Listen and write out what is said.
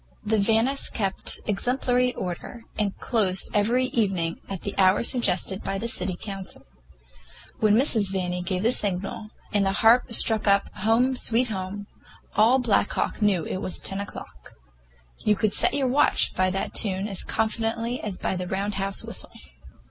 The Vannis kept exemplary order, and closed every evening at the hour suggested by the City Council. When Mrs. Vanni gave the signal, and the harp struck up "Home, Sweet Home," all Black Hawk knew it was ten o'clock. You could set your watch by that tune as confidently as by the Round House whistle.